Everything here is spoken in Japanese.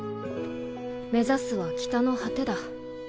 目指すは北の果てだ。